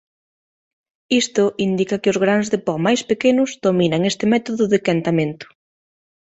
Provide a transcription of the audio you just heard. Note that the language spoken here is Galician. Isto indica que os grans de po máis pequenos dominan este método de quentamento.